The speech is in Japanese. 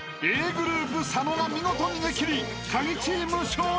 ｇｒｏｕｐ佐野が見事逃げ切りカギチーム勝利！］